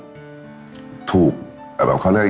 ส่วนความเพียงเราก็ถูกพูดอยู่ตลอดเวลาในเรื่องของความพอเพียง